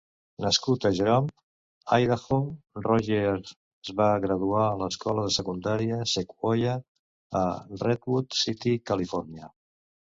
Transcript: Nascut a Jerome, Idaho, Royer es va graduar a l'escola de secundària Sequoia, a Redwood City, Califòrnia.